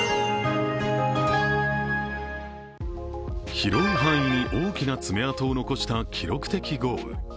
広い範囲に大きな爪痕を残した記録的豪雨。